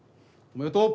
おめでとう！